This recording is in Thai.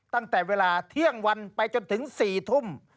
ตั้งแต่เวลาเที่ยงวันไปจนถึง๔ทุ่ม